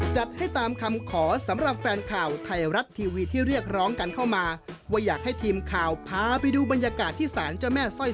จากอะไรเดี๋ยวไปดูกันค่ะ